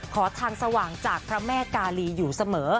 ขอทางสว่างจากพระแม่กาลีอยู่เสมอ